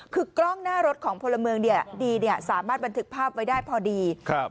คือกล้องหน้ารถของพลเมืองสามารถบันถึกภาพไว้ได้พอดี